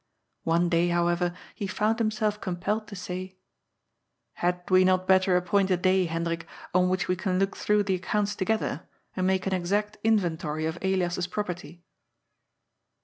One day, however, he found himself compelled to say :*' Had we not better appoint a day, Hendrik, on which we can look through the accounts together and make an exact inventory of Elias's property